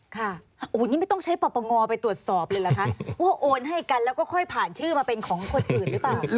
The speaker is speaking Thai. ค่ะโอ้โหนี่ไม่ต้องใช้ปปงไปตรวจสอบเลยเหรอคะว่าโอนให้กันแล้วก็ค่อยผ่านชื่อมาเป็นของคนอื่นหรือเปล่า